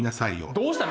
どうしたの？